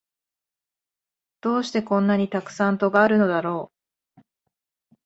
どうしてこんなにたくさん戸があるのだろう